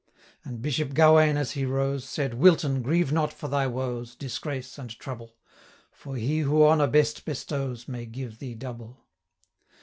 And Bishop Gawain, as he rose, 365 Said 'Wilton! grieve not for thy woes, Disgrace, and trouble; For He, who honour best bestows, May give thee double.'